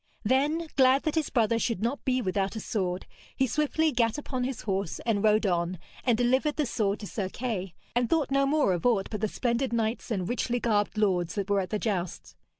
Then, glad that his brother should not be without a sword, he swiftly gat upon his horse and rode on, and delivered the sword to Sir Kay, and thought no more of aught but the splendid knights and richly garbed lords that were at the jousts.